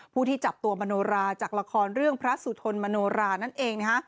ผู้ที่จับตัวมโนราจากละครเรื่องพระสุทนมโนรานั่นเอง